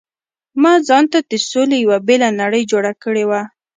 ما ځانته د سولې یو بېله نړۍ جوړه کړې وه.